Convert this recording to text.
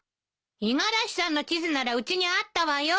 五十嵐さんの地図ならうちにあったわよ。